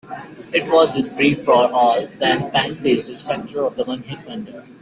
It was with "Free-for-All" that Penn faced the specter of the one-hit wonder.